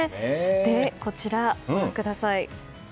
こちら、ご覧ください。